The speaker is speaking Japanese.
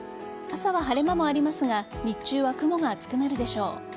朝は晴れ間もありますが日中は雲が厚くなるでしょう。